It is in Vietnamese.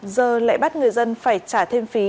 giờ lại bắt người dân phải trả thêm phí